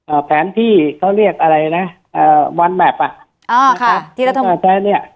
เอ่อแผนที่เขาเรียกอะไรนะเอ่อวันแมปอ่ะอ๋อค่ะที่แล้วทำแผนเนี้ย